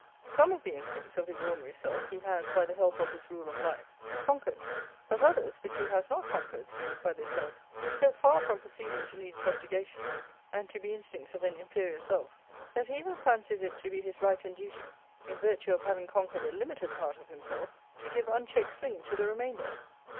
Some of the instincts of his ordinary self he has, by the help of his rule of life, conquered; but others which he has not conquered by this help he is so far from perceiving to need subjugation, and to be instincts of an inferior self, that he even fancies it to be his right and duty, in virtue of having conquered a limited part of himself, to give unchecked swing to the remainder.